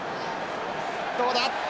どうだ？